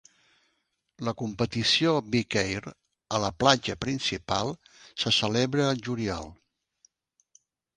La competició "Big Air" a la platja principal se celebra al juliol.